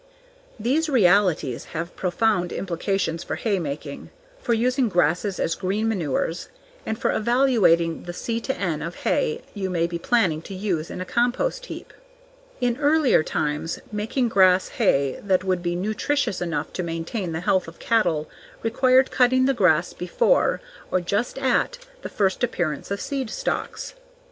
These realities have profound implications for hay making, for using grasses as green manures, and for evaluating the C/N of hay you may be planning to use in a compost heap. In earlier times, making grass hay that would be nutritious enough to maintain the health of cattle required cutting the grass before, or just at, the first appearance of seed stalks.